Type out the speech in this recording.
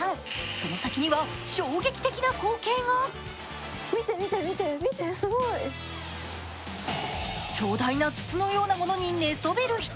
その先には衝撃的な光景が巨大な筒のようなものに寝そべる人